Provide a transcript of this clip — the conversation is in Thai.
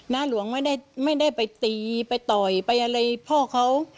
หลวงไม่ได้ไปตีไปต่อยไปอะไรพ่อเขา